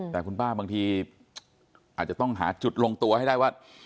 แต่คุณป้าบางทีอาจจะต้องหาจุดลงตัวให้ได้ว่า